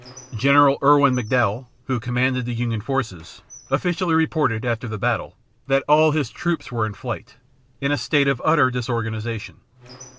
General Irwin McDowell, who commanded the Union forces, officially reported, after the battle, that all his troops were in flight "in a state of utter disorganization."